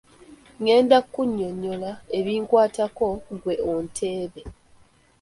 Ngenda kukunnyonnyola ebinkwatako ggwe onteebe.